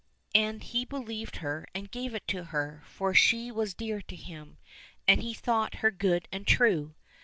And he believed her and gave it to her, for she was dear to him, and he thought her good and true.